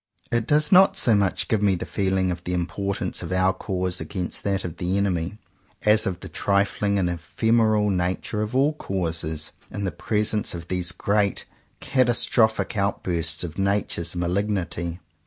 It does not so much give me the feeling of the importance of our cause against that of the enemy, as of the trifling and ephemeral nature of all causes, in the presence of these great catastrophic outbursts of nature's malignity.